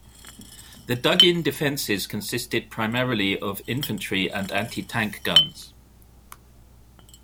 The dug in defences consisted primarily of infantry and antitank guns.